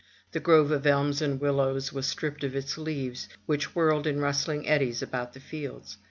The grove of elms and willows was stripped of its leaves, which whirled in rustling eddies about the fields.